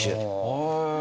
へえ！